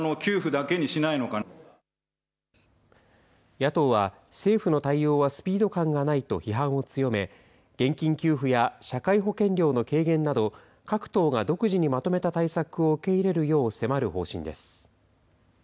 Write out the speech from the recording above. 野党は、政府の対応はスピード感がないと批判を強め、現金給付や社会保険料の軽減など、各党が独自にまとめた対策を受け入れるよう迫る方針です。